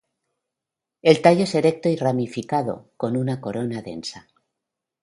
El tallo es erecto y ramificado, con una corona densa.